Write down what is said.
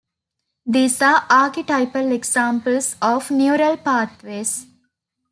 These are archetypal examples of neural pathways.